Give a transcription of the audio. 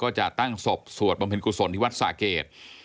ก็จะตั้งศพสวดประมพิณฑ์กุศลในวัทย์สระเกด